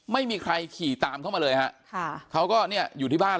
ไม่มีใครขี่ตามเข้ามาเลยฮะค่ะเขาก็เนี่ยอยู่ที่บ้าน